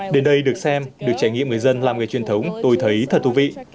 đến đây được xem được trải nghiệm người dân làm nghề truyền thống tôi thấy thật thú vị